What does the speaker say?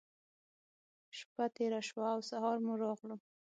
شپّه تېره شوه او سهار مو راغلو.